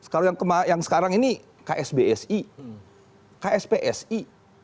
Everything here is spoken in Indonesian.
kalau yang sekarang ini ksbsi kspsi